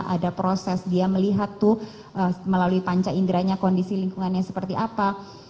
ada proses dia melihat tuh melalui panca inderanya kondisi lingkungannya seperti apa